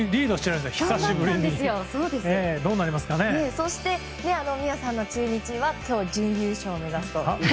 そして美和さんの中日は準優勝を目指すと。